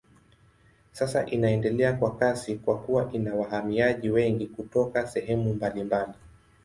Sasa inaendelea kwa kasi kwa kuwa ina wahamiaji wengi kutoka sehemu mbalimbali.